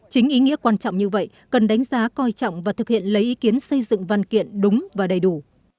chính ý nghĩa quan trọng như vậy cần đánh giá coi trọng và thực hiện lấy ý kiến xây dựng văn kiện đúng và đầy đủ